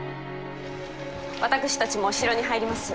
私たちも城に入ります。